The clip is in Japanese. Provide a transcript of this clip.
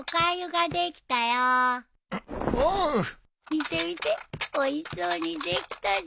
見て見ておいしそうにできたで。